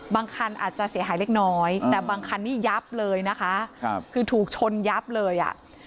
คันอาจจะเสียหายเล็กน้อยแต่บางคันนี้ยับเลยนะคะคือถูกชนยับเลยอ่ะ